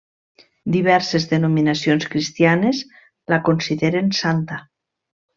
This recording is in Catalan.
Diverses denominacions cristianes la consideren santa.